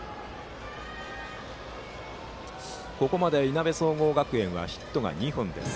ここまで、いなべ総合学園はヒットが２本です。